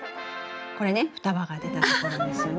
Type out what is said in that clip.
これね双葉が出たところですよね。